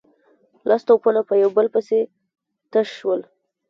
لس توپونه په يو بل پسې تش شول.